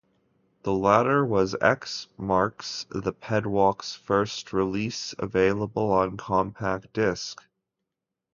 The latter was X Marks the Pedwalk's first release available on compact disc.